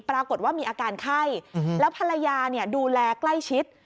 ปรากฏว่ามีอาการไข้แล้วภรรยาดูแลใกล้ชิด